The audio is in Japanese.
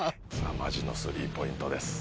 マジの３ポイントです。